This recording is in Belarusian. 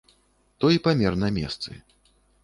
Той памер на месцы.